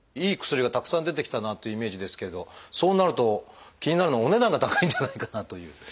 いい薬がたくさん出てきたなというイメージですけれどそうなると気になるのはお値段が高いんじゃないかなという。